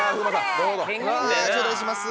うわ頂戴します。